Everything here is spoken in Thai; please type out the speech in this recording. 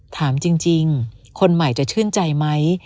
ถามจริงคนใหม่จะชื่นใจไหม